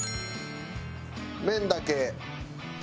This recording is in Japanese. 麺だけ。